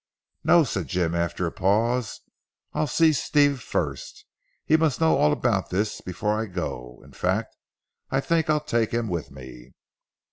"No," said Jim after a pause, "I'll see Steve first. He must know all about this before I go. In fact I think I'll take him with me."